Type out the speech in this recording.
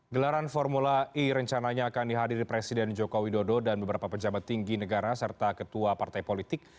gelaran formula e rencananya akan dihadiri presiden joko widodo dan beberapa pejabat tinggi negara serta ketua partai politik